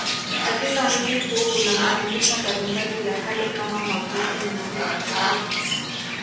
Katika mji huu kuna makumbusho mbalimbali ya kale kama maghofu na misikiti